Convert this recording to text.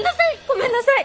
ごめんなさい！